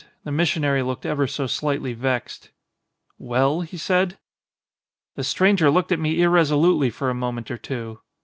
The mis sionary looked ever so slightly vexed. "Well?" he said. "The stranger looked at me irresolutely for a moment or two.